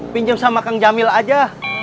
pinjam sama kang jamil aja